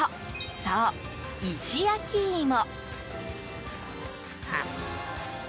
そう、石焼き芋。